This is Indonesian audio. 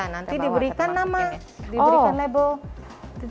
nanti diberikan nama diberikan label